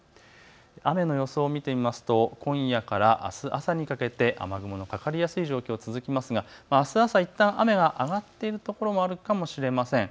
雨の予想を見てみますと今夜からあす朝にかけて雨雲のかかりやすい状況、続きますがあす朝いったん雨が上がっているところもあるかもしれません。